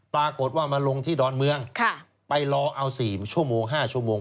ปรากฏว่ามาลงที่ดอนเมืองไปรอเอา๔ชั่วโมง๕ชั่วโมง